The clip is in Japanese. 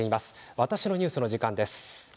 「わたしのニュース」の時間です。